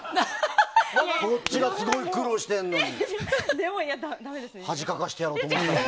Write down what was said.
こっちがすごい苦労してるのに。